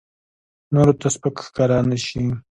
نورو ته سپک ښکاره نه شي.